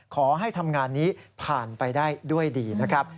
ขอให้ทำงานนี้ผ่านไปได้ด้วยดีนะครับ